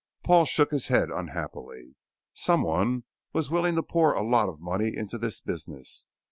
Paul shook his head unhappily. Someone was willing to pour a lot of money into this business.